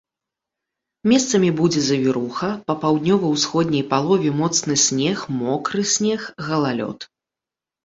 Месцамі будзе завіруха, па паўднёва-ўсходняй палове моцны снег, мокры снег, галалёд.